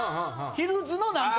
ヒルズの何か。